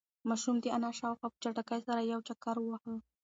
ماشوم د انا شاوخوا په چټکۍ سره یو چکر وواهه.